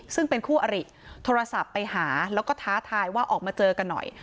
ซึ่งเป็นคู่อริโทรศัพท์ไปหาแล้วก็ท้าทายว่าออกมาเจอกันหน่อย